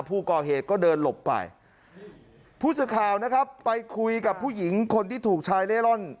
ผู้ก่อเหตุก็เดินหลบไปผู้สื่อข่าวนะครับไปคุยกับผู้หญิงคนที่ถูกชายเล่ร่อน